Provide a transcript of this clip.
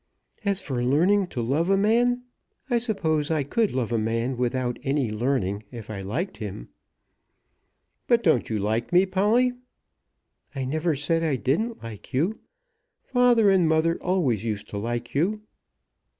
"As for learning to love a man, I suppose I could love a man without any learning if I liked him." "But you don't like me, Polly?" "I never said I didn't like you. Father and mother always used to like you."